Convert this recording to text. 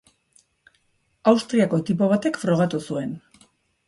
Austriako tipo batek frogatu zuen.